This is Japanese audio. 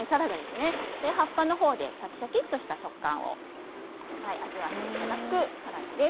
葉っぱのほうでシャキシャキとした食感を味わっていただくサラダです。